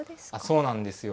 そうなんですよ。